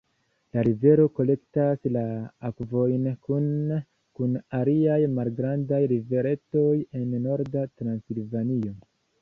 La rivero kolektas la akvojn kune kun aliaj malgrandaj riveretoj en Norda Transilvanio.